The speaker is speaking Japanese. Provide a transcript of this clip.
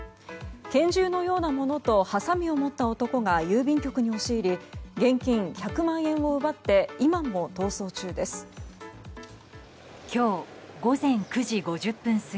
拳銃のようなものとはさみを持った男が郵便局に押し入り現金１００万円を奪って今も逃走中です。